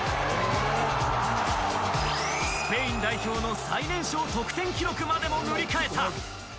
スペイン代表の最年少得点記録までも塗り替えた！